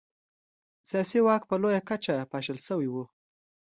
سیاسي واک په لویه کچه پاشل شوی و.